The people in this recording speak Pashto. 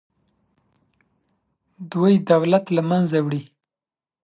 دوی دولت له منځه وړي.